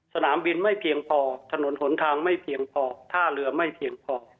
สนามบินไม่เพียงพอถนนหนทางไม่เพียงพอท่าเรือไม่เพียงพอ